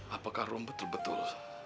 apakah rum betul betul